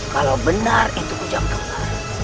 kalau benar itu ujang kebuka